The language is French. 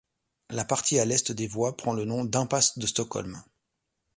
La partie à l'est des voies prend le nom d'impasse de Stockholm.